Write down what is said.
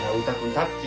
タッチ。